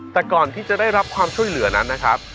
แต่ก่อนที่จะได้รับความช่วยเหลือนั้นนะครับ